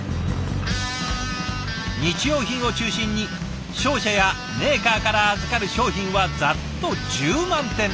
日用品を中心に商社やメーカーから預かる商品はざっと１０万点。